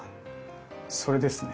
それですね。